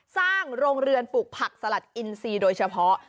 สร้างโรงเรือนปลูกผักสลัดอินซีโดยเฉพาะ